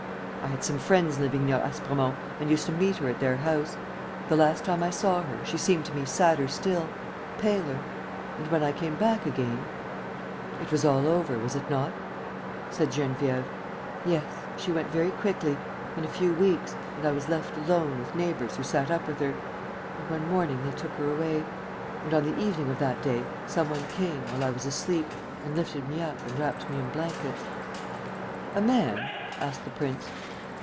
"I had some friends living near Aspremont and used to meet her at their house. The last time I saw her, she seemed to me sadder still ... paler ... and, when I came back again ..." "It was all over, was it not?" said Geneviève. "Yes, she went very quickly ... in a few weeks ... and I was left alone with neighbors who sat up with her ... and one morning they took her away. ... And, on the evening of that day, some one came, while I was asleep, and lifted me up and wrapped me in blankets. ..." "A man?" asked the prince.